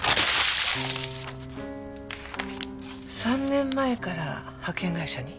３年前から派遣会社に？